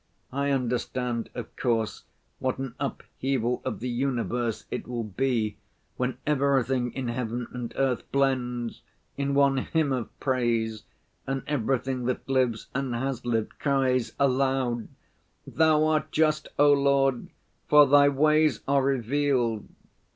I understand, of course, what an upheaval of the universe it will be, when everything in heaven and earth blends in one hymn of praise and everything that lives and has lived cries aloud: 'Thou art just, O Lord, for Thy ways are revealed.